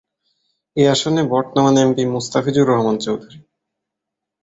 এ আসনে বর্তমান এমপি মোস্তাফিজুর রহমান চৌধুরী।